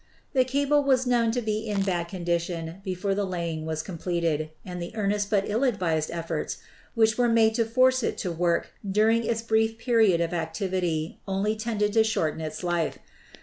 The cable was known to be in bad condition before the laying was completed, and the earnest but ill advised ef forts which were made to force it to work during its brief 308 , ELECTRICITY period of activity only tended to shorten its life.